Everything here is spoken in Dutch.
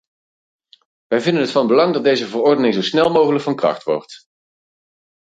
Wij vinden het van belang dat deze verordening zo snel mogelijk van kracht wordt.